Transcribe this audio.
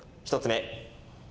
１つ目。